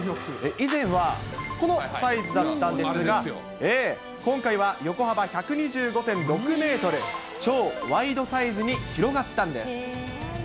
以前はこのサイズだったんですが、今回は横幅１２５．６メートル、超ワイドサイズに広がったんです。